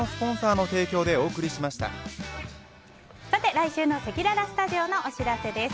来週のせきららスタジオのお知らせです。